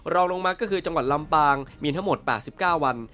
รองลงมาก็คือจรัมรปางมีทั้งหมด๘๙วัน